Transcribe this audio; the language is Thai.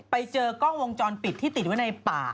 ไปเจอกล้องวงจรปิดที่ติดไว้ในป่า